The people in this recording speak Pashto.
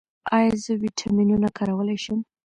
ایا زه ویټامینونه کارولی شم؟